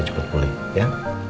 cepet pulih ya